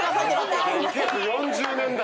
１９４０年代やん。